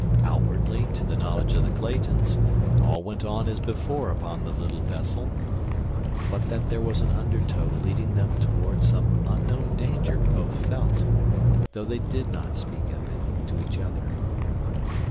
Outwardly, to the knowledge of the Claytons, all went on as before upon the little vessel; but that there was an undertow leading them toward some unknown danger both felt, though they did not speak of it to each other.